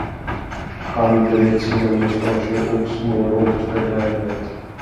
Han vred sina mustascher och smålog förläget.